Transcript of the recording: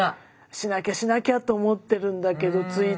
しなきゃしなきゃと思ってるんだけどついついしなくてね。